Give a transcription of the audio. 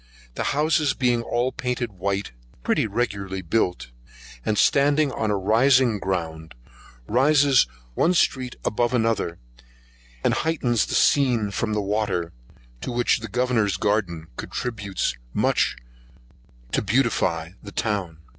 The houses being all painted white, pretty regularly built, and standing on a rising ground, raises one street above another, and heightens the scene from the water; to which the Governor's garden contributes much to beautify the town.